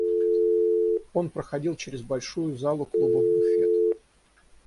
Он проходил чрез большую залу клуба в буфет.